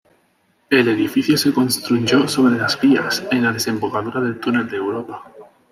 El edificio se construyó sobre las vías, en la desembocadura del túnel de Europa.